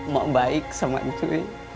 mak baik sama cuy